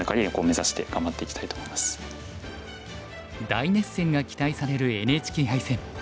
大熱戦が期待されるＮＨＫ杯戦。